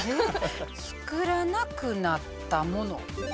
作らなくなったもの。